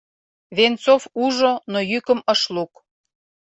Венцов ужо, но йӱкым ыш лук.